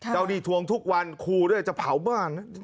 หนี้ทวงทุกวันครูด้วยจะเผาบ้านนะ